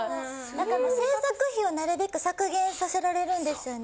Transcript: だから制作費をなるべく削減させられるんですよね